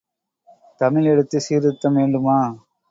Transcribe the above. தமிழ் எழுத்துச் சீர்திருத்தம் வேண்டுமா?